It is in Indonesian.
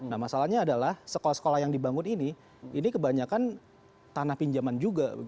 nah masalahnya adalah sekolah sekolah yang dibangun ini ini kebanyakan tanah pinjaman juga